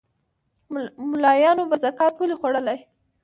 مُلایانو به زکات ولي خوړلای